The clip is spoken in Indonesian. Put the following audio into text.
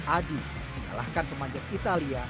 adi menyalahkan pemajat italia